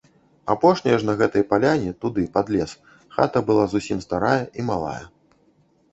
Апошняя ж на гэтай паляне, туды пад лес, хата была зусім старая і малая.